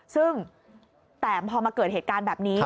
ซึ่งแต่พอมาเกิดเหตุการณ์แบบนี้